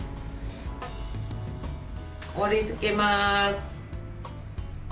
盛りつけます。